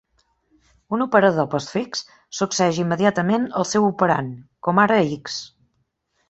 Un operador postfix succeeix immediatament el seu operand, com ara a x!